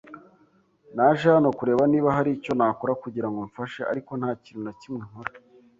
Naje hano kureba niba hari icyo nakora kugira ngo mfashe, ariko nta kintu na kimwe nkora.